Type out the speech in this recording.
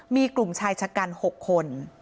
มีกลุ่มชายชะกัน๖คน